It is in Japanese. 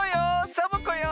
サボ子よ。